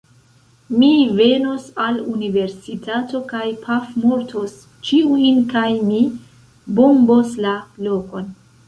Mi venos al universitato kaj pafmortos ĉiujn kaj mi bombos la lokon